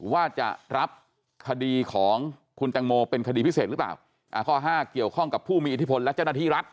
ว่าจะรับคดีของคุณแตงโมเป็นคดีพิเศษหรือเปล่าอ่าข้อห้าเกี่ยวข้องกับผู้มีอิทธิพลและเจ้าหน้าที่รัฐ